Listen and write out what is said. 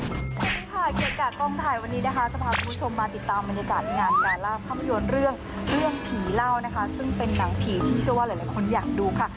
สวัสดีค่ะเกกากล้องไทยวันนี้นะคะจะพาคุณผู้ชมมาติดตามบรรยากาศงานการล่าภาพยนตร์เรื่องเรื่องผีเล่านะคะซึ่งเป็นหนังผีที่เชื่อว่าหลายคนอยากดูค่ะ